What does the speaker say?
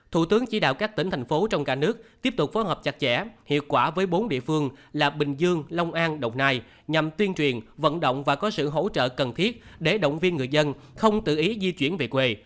thủ tướng chỉ đạo các tỉnh thành phố trong cả nước tiếp tục phối hợp chặt chẽ hiệu quả với bốn địa phương là bình dương long an đồng nai nhằm tuyên truyền vận động và có sự hỗ trợ cần thiết để động viên người dân không tự ý di chuyển về quê